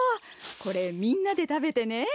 これみんなでたべてね。